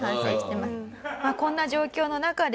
こんな状況の中ですね